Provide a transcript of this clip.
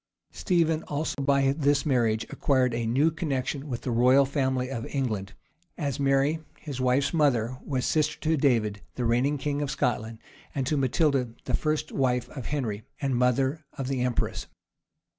Stephen also by this marriage acquired a new connection with the royal family of England, as Mary, his wife's mother, was sister to David, the reigning king of Scotland, and to Matilda, the first wife of Henry, and mother of the empress.